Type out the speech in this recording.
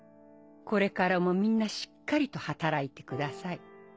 これからもみんなしっかりと働いてください。